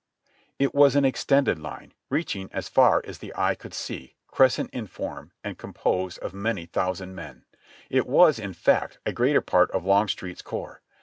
It was an extended line, reaching as far as the eye could see. ,1 I THE SECOND MANASSAS 253 crescent in form, and composed of many thousand men. It was, in fact, a greater part of Longstreet's corps.